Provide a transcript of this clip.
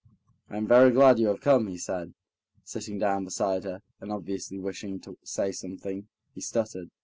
"I am very glad you have come," he said, sitting down beside her, and obviously wishing to say something, he stuttered.